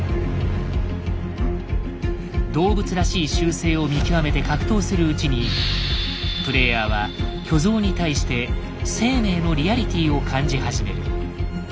動物らしい習性を見極めて格闘するうちにプレイヤーは巨像に対して生命のリアリティを感じ始める。